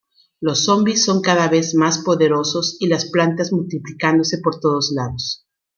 Los zombis son cada vez más poderosos y las plantas multiplicándose por todos lados.